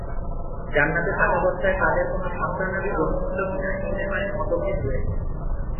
জান্নাতে থাকাবস্থায় তাদের কোন সন্তানাদি জন্মেছিল কিনা এ ব্যাপারে মতভেদ রয়েছে।